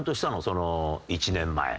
その１年前。